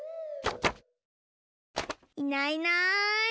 いないいない。